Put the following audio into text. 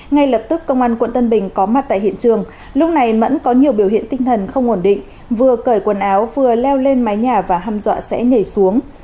ngay lập tức công an quận tân bình có mặt tại hiện trường lúc này mẫn có nhiều biểu hiện tinh thần không ổn định vừa cởi quần áo vừa leo lên mái nhà và hâm dọa sẽ nhảy xuống